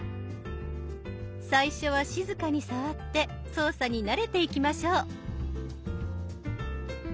最初は静かに触って操作に慣れていきましょう。